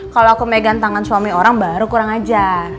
kalau aku pegang tangan suami orang baru kurang ajar